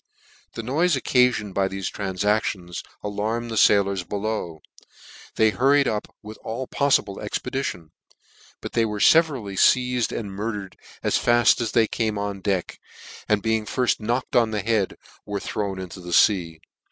The noife occafioned by thefe transactions a lanned the failors below, they hurried up with all poffible expedition , but they were Teverally feiaed and murdered as faft as they came on deck, and being firft knocked on the head, were thrown into the fea.